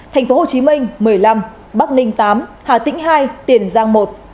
tp hcm một mươi năm bắc ninh tám hà tĩnh hai tiền giang một